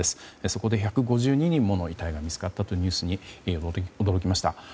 そこで１５２人もの遺体が見つかったというニュースに驚きました。